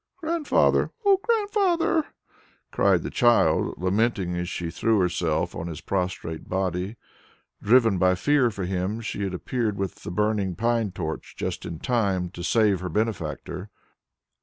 "Grandfather! O Grandfather!" cried the child, lamenting as she threw herself on his prostrate body. Driven by fear for him, she had appeared with the burning pine torch just in time to save her benefactor.